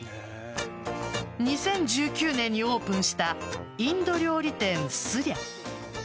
２０１９年にオープンしたインド料理店・スリャ。